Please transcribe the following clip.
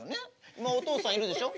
今お父さんいるでしょ？